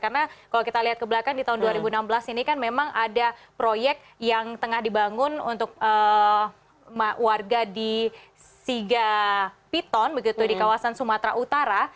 karena kalau kita lihat ke belakang di tahun dua ribu enam belas ini kan memang ada proyek yang tengah dibangun untuk warga di siga piton di kawasan sumatera utara